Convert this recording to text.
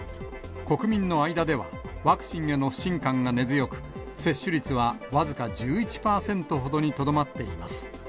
国民の間では、ワクチンへの不信感が根強く、接種率は僅か１１％ほどにとどまっています。